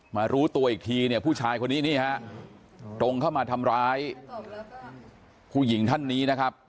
รู้ตัวอีกทีเนี่ยผู้ชายคนนี้นี่ฮะตรงเข้ามาทำร้ายผู้หญิงท่านนี้นะครับ